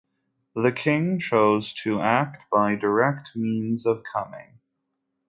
The king chose to act by direct means of coming.